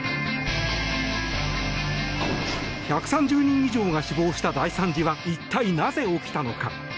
１３０人以上が死亡した大惨事は一体なぜ起きたのか。